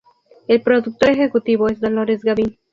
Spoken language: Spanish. El productor ejecutivo es Dolores Gavin.